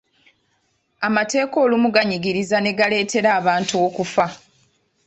Amateeka olumu ganyigiriza ne galeetera abantu okufa.